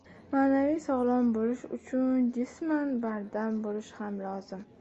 Ma’naviy sog‘lom bo‘lish uchun jisman bardam bo‘lish ham lozim.